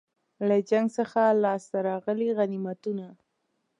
له جنګ څخه لاسته راغلي غنیمتونه.